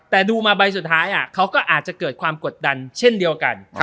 แต่ดูมาใบสุดท้ายเขาก็อาจจะเกิดความกดดันเช่นเดียวกัน